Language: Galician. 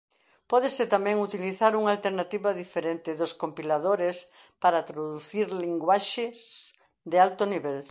Pódese tamén utilizar unha alternativa diferente dos compiladores para traducir linguaxes de alto nivel.